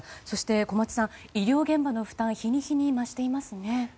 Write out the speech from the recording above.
そして、小松さん医療現場の負担が日に日に増していますね。